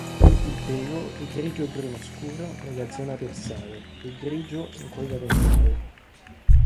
Il pelo è grigio-bruno scuro nella zona dorsale e grigio in quella ventrale.